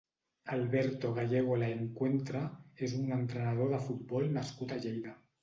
Alberto Gallego Laencuentra és un entrenador de futbol nascut a Lleida.